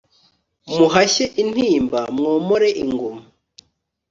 muhashye intimba mwomore inguma